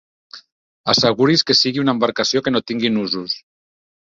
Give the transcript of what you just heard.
Asseguri's que sigui una embarcació que no tingui nusos.